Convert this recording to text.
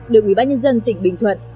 được ubnd tỉnh bình thuận